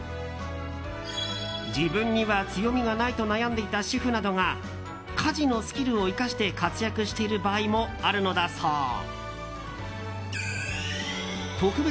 自分には強みがないと悩んでいた主婦などが家事のスキルを生かして活躍している場合もあるのだそう。